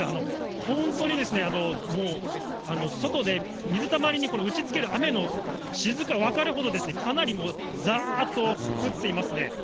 本当にですね、もう外で水たまりに打ちつける雨のしずくが分かるほど、かなりもうざーっと降っていますね。